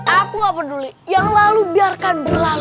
aku peduli yang lalu biarkan berlalu